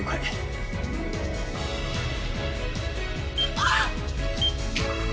あっ！